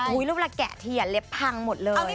อุ้ยแล้วเมื่อแกะเทียเล็บพังหมดเลย